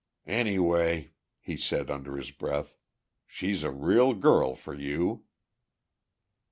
"Any way," he said under his breath, "she's a real girl for you."